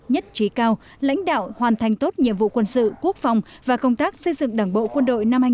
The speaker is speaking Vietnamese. nhất trí cao lãnh đạo hoàn thành tốt nhiệm vụ quân sự quốc phòng và công tác xây dựng đảng bộ quân đội